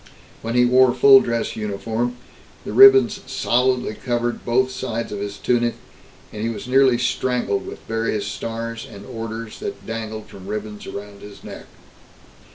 When he wore full dress uniform, the ribbons solidly covered both sides of his tunic, and he was nearly strangled with various stars and orders that dangled from ribbons around his neck.